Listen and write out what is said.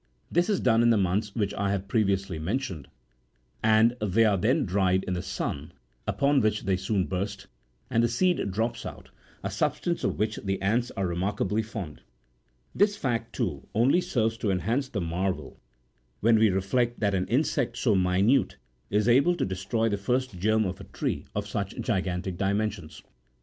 This is done in the months which J have previously49 mentioned, and they are then dried in the sun, upon which they soon burst, and the seed drops out, a substance of which the ants are remarkably fond ; this fact, too, only serves to enhance the marvel, when we reflect that an insect so minute is able to destroy the first germ of a tree of such gigantic dimensions.